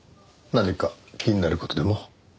何か気になる事でも？